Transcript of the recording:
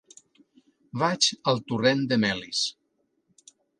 Vaig al torrent de Melis.